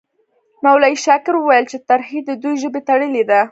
مولوي شاکر وویل چې ترهې د دوی ژبه تړلې ده.